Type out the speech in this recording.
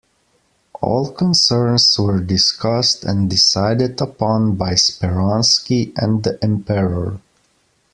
All concerns were discussed and decided upon by Speransky and the emperor.